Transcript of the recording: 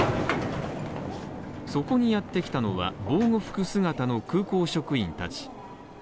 そこにやってきたのは、防護服姿の空港職員たち。